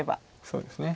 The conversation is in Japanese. そうですね。